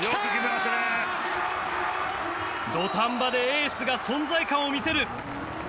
土壇場でエースが存在感を見せる！